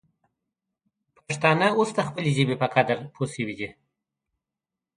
پښتانه اوس د خپلې ژبې په قدر پوه سوي دي.